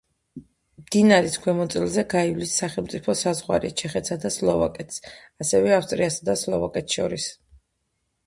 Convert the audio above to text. მდინარის ქვემოწელზე გაივლის სახელმწიფო საზღვარი ჩეხეთსა და სლოვაკეთს, ასევე ავსტრიასა და სლოვაკეთს შორის.